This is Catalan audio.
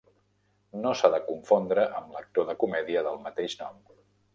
No s'ha de confondre amb l'actor de comèdia del mateix nom.